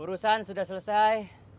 urusan sudah selesai